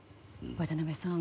渡辺さん